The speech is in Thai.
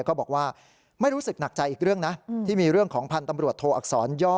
ก็บอกว่าไม่รู้สึกหนักใจอีกเรื่องนะที่มีเรื่องของพันธ์ตำรวจโทอักษรย่อ